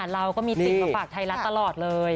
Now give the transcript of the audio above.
เราก็มาจิ๋มมาฝากไทยรัฐตลอดเลย